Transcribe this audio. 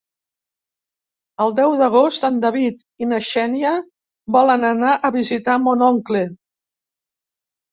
El deu d'agost en David i na Xènia volen anar a visitar mon oncle.